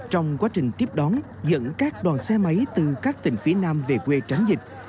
trong quá trình tiếp đón dẫn các đoàn xe máy từ các tỉnh phía nam về quê tránh dịch